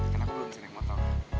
kan aku belum seneng motong